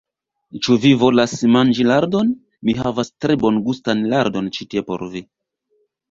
Ĉu vi volas manĝi lardon? Ni havas tre bongustan lardon ĉi tie por vi.